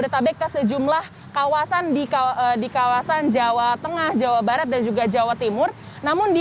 detabek ke sejumlah kawasan di kawasan jawa tengah jawa barat dan juga jawa timur namun di